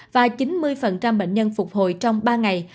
và chín mươi bệnh nhân phục hồi trong ba ngày